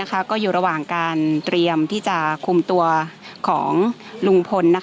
ก็อยู่ระหว่างการเตรียมที่จะคุมตัวของลุงพล